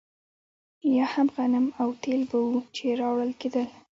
یا هم غنم او تېل به وو چې راوړل کېدل.